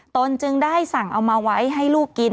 ตนจึงได้สั่งเอามาไว้ให้ลูกกิน